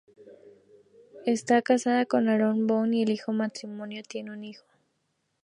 Esta casada con Aaron Boone y el matrimonio tiene un hijo.